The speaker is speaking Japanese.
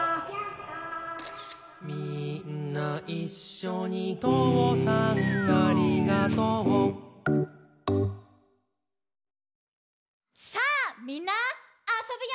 「みーんないっしょにとうさんありがとう」さあみんなあそぶよ！